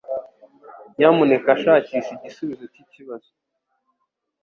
Nyamuneka shakisha igisubizo cyikibazo